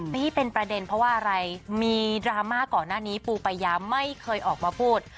ที่เป็นประเด็นเพราะว่าอะไรมีดราม่าก่อนหน้านี้ปูปายาไม่เคยออกมาพูด